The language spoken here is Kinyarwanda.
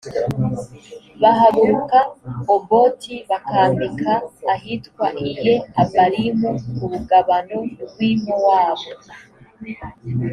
bahaguruka oboti bakambika ahitwa iye abarimu ku rugabano rw i mowabu